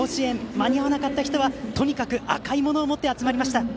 間に合わなかった人はとにかく赤いものを持って集まりました。